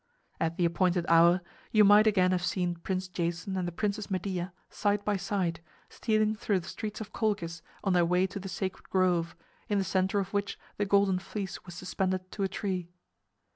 At the appointed hour you might again have seen Prince Jason and the Princess Medea, side by side, stealing through the streets of Colchis on their way to the sacred grove, in the center of which the Golden Fleece was suspended to a tree.